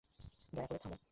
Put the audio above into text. দয়া করে, থামো।